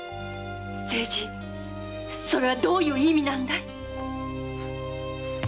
〔清次それはどういう意味なんだい？〕